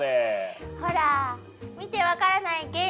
ほら見てわからない？